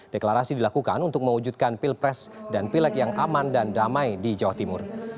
deklarasi dilakukan untuk mewujudkan pilpres dan pileg yang aman dan damai di jawa timur